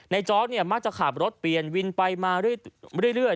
จอร์ดมักจะขับรถเปลี่ยนวินไปมาเรื่อย